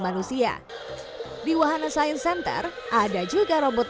kalau kamu meny jamais menggunakan robot